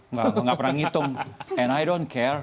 nggak pernah ngitung and i don't care